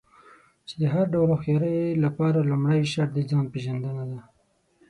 چې د هر ډول هوښيارۍ لپاره لومړی شرط د ځان پېژندنه ده.